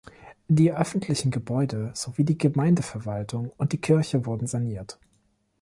Die öffentlichen Gebäude sowie die Gemeindeverwaltung und die Kirche wurden saniert.